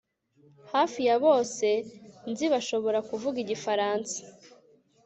Hafi ya bose nzi bashobora kuvuga igifaransa